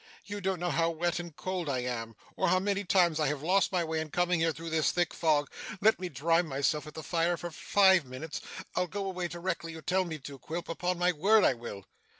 You don't know how wet and cold I am, or how many times I have lost my way in coming here through this thick fog. Let me dry myself at the fire for five minutes. I'll go away directly you tell me to, Quilp. Upon my word I will.